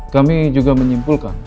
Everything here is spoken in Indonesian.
kami juga menyimpulkan